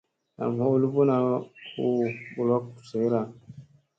Nam ɦoɦ luɓuna u ɓolok zoyrn.